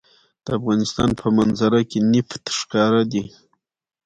د افغانستان په منظره کې نفت ښکاره دي.